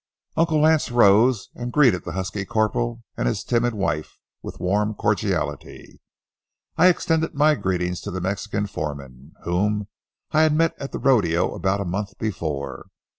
Uncle Lance arose and greeted the husky corporal and his timid wife with warm cordiality. I extended my greetings to the Mexican foreman, whom I had met at the rodeo about a month before.